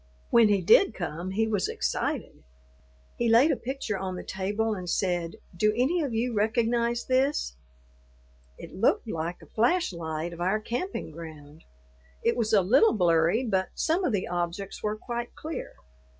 When he did come, he was excited; he laid a picture on the table and said, "Do any of you recognize this?" It looked like a flash light of our camping ground. It was a little blurry, but some of the objects were quite clear.